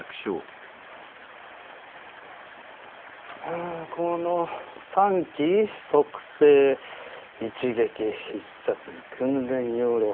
あこの「短期速成一撃必殺訓練要領」。